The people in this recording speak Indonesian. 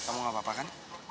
kamu gak apa apa kan